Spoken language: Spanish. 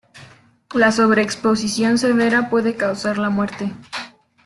La sobreexposición severa puede causar la muerte.